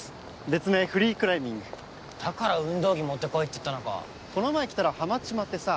別名・フリークライミングだから「運動着持ってこい」って言ったのかこの前来たらハマっちまってさ